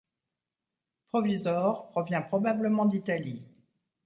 Provisore provient probablement d'Italie.